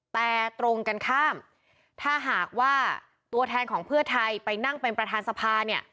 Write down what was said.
แต่ตรงกันข้ามถ้าหากว่าตัวแทนของเพื่อไทยไปนั่งเป็นประธานสภาเนี่ย